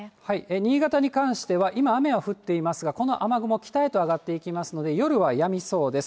新潟に関しては、今、雨は降っていますが、この雨雲、北へと上がっていきますので、夜はやみそうです。